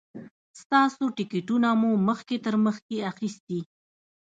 ستاسو ټکټونه مو مخکې تر مخکې اخیستي.